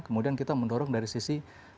kemudian kita mendorong dari sisi